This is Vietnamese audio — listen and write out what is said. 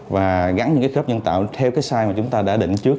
và gắn những cái khớp nhân tạo theo cái sim mà chúng ta đã định trước